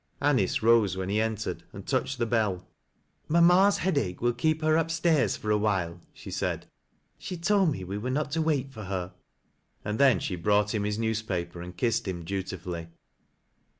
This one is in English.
Anice rose when he entered, and touched the bell. "Mamma's headache will keep her upstairs for s iphilc," she said. " She told me we were not to wait for Iier." And then she brought him his newspaper and kissed him dutifully.